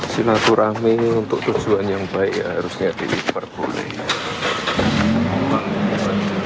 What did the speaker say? silaturahmi untuk tujuan yang baik harusnya tidak diperbolehkan